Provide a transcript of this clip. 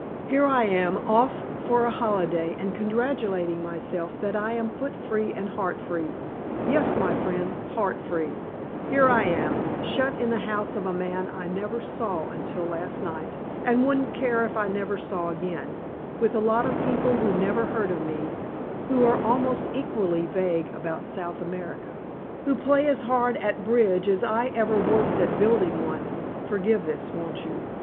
Here I am, off for a holiday and congratulating myself that I am foot free and heart free yes, my friend, heart free here I am, shut in the house of a man I never saw until last night, and wouldn't care if I never saw again, with a lot of people who never heard of me, who are almost equally vague about South America, who play as hard at bridge as I ever worked at building one (forgive this, won't you?